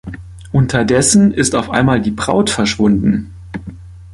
Unterdessen ist auf einmal die Braut verschwunden.